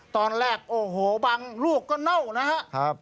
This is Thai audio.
ตอนแรกโอ้โหบางลูกก็เน่านะครับ